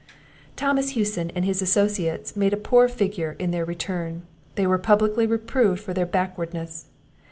Thomas Hewson and his associates made a poor figure in their return; they were publicly reproved for their backwardness.